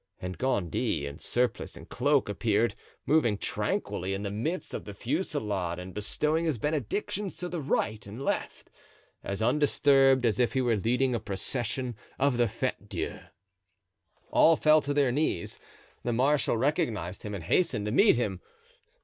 and Gondy, in surplice and cloak, appeared, moving tranquilly in the midst of the fusillade and bestowing his benedictions to the right and left, as undisturbed as if he were leading a procession of the Fete Dieu. All fell to their knees. The marshal recognized him and hastened to meet him.